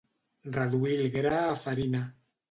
Reduir el gra a farina.